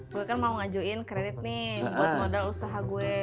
gue kan mau ngajuin kredit nih buat modal usaha gue